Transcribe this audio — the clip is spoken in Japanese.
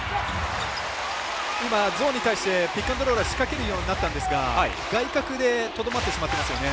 ゾーンに対してピックアンドロールをしかけるようになったんですが外角でとどまってしまっていますよね。